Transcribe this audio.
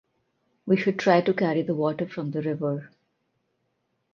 We should try to carry the water from the river.